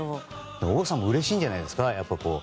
王さんもうれしいんじゃないですか。